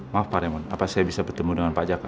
maaf pak remon apa saya bisa bertemu dengan pak jaka